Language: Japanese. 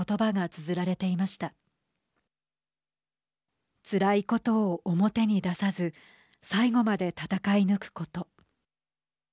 つらいことを表に出さず最後まで戦い抜くこと。